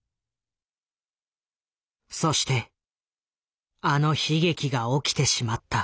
そしてあの悲劇が起きてしまった。